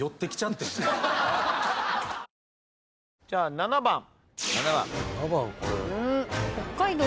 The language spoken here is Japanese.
じゃあ７番。